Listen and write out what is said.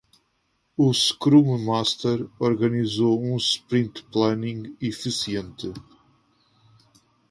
O scrum master organizou um sprint planning eficiente.